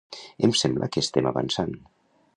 Em sembla que estem avançant.